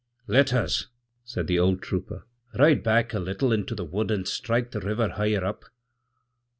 'Let us,' saidthe old trooper, 'ride back a little into the wood, and strike theriver higher up.'